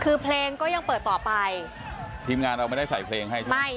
คือเพลงก็ยังเปิดต่อไปพิมมาแล้วไม่ได้ใส่เพลงให้ไม่